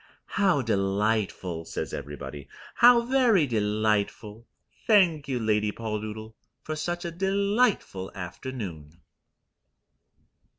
"How delightful," says everybody. "How very delightful. Thank you, Lady Poldoodle, for such a delightful afternoon."